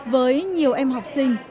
với nhiều em học sinh